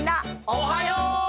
おはよう！